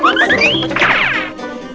gua mau lepas sini